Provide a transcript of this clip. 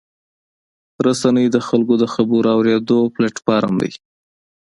رسنۍ د خلکو د خبرو اورېدو پلیټفارم دی.